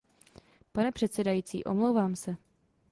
Pane předsedající, omlouvám se.